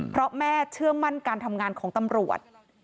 เพราะแม่เชื่อมั่นการทำงานของตำรวจ